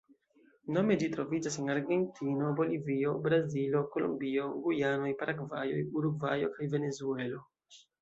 Nome ĝi troviĝas en Argentino, Bolivio, Brazilo, Kolombio, Gujanoj, Paragvajo, Urugvajo, kaj Venezuelo.